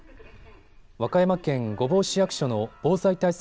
和歌山県御坊市役所の防災対策